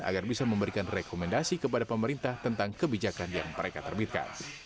agar bisa memberikan rekomendasi kepada pemerintah tentang kebijakan yang mereka terbitkan